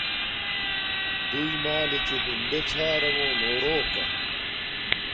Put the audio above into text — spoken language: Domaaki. دݸئی مݳلݺ چُݸ ہُندے ڞݳ رݣݸ نݸ رݸکݳ.